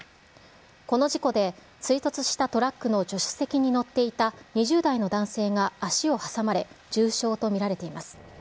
この事故で追突したトラックの助手席に乗っていた２０代の男性が足を挟まれ重傷と見られています。